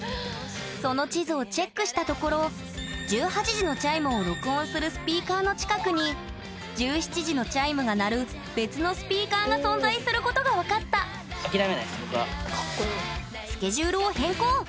その地図をチェックしたところ１８時のチャイムを録音するスピーカーの近くに１７時のチャイムが鳴る別のスピーカーが存在することが分かったスケジュールを変更！